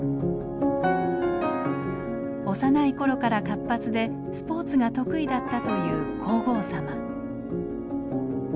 幼い頃から活発でスポーツが得意だったという皇后さま。